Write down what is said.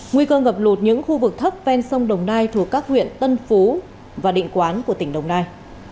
nguy cơ ngập lụt những khu vực thấp ven sông đồng nai thuộc các huyện tân phú và định quán của tỉnh đồng nai